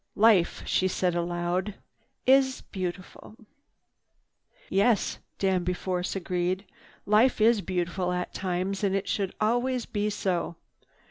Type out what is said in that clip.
"Life," she said aloud, "is beautiful." "Yes," Danby Force agreed, "life is beautiful at times, and should always be so.